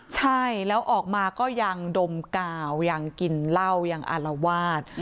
ใช่แล้วออกมาก็ยังดมกาวยังกินเหล้ายังอารวาส